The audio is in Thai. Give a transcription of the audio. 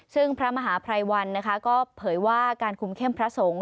ซึ่งพระมหาภัยวันนะคะก็เผยว่าการคุมเข้มพระสงฆ์